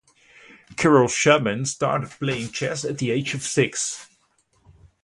Kirill Shubin started playing chess at the age of six.